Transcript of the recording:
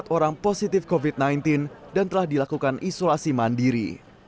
empat orang positif covid sembilan belas dan telah dilakukan isolasi mandiri